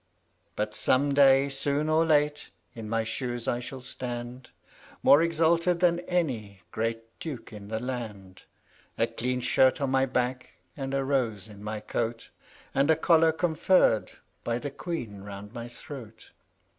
But some day, soon or late, in my shoes I shall stand, More exalted than any great duke in the land; A clean shirt on my back, and a rose in my coat, And a collar conferred by the Queen round my throat.